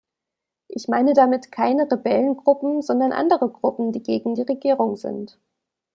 Ich meine damit keine Rebellengruppen, sondern andere Gruppen, die gegen die Regierung sind.